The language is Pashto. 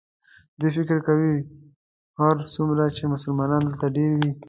دوی فکر کوي هرڅومره چې مسلمانان دلته ډېر وي.